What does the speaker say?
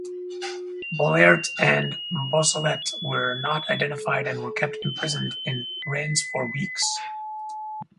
Bollaert and Brossolette were not identified and were kept imprisoned in Rennes for weeks.